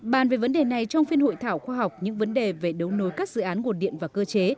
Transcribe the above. bàn về vấn đề này trong phiên hội thảo khoa học những vấn đề về đấu nối các dự án nguồn điện và cơ chế